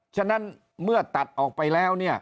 ฉะนั้นเมื่อตัดออกไปแล้ว